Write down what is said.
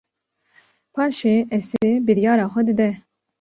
Paşê Esê biryara xwe dide